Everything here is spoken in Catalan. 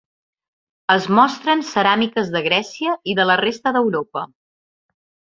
Es mostren ceràmiques de Grècia i de la resta d'Europa.